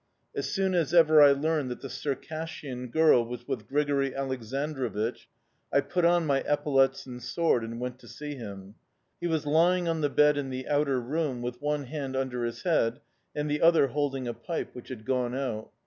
So soon as ever I learned that the Circassian girl was with Grigori Aleksandrovich, I put on my epaulettes and sword and went to see him. "He was lying on the bed in the outer room, with one hand under his head and the other holding a pipe which had gone out.